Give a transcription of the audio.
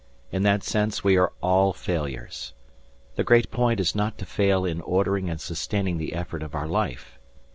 In that sense we are all failures. The great point is not to fail in ordering and sustaining the effort of our life.